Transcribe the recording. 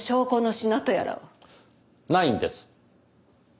ないんです。